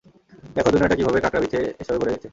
দেখো, দুনিয়াটা কীভাবে কাঁকড়া বিছে এসবে ভরে গেছে!